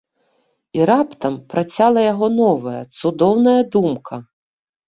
І раптам працяла яго новая цудоўная думка.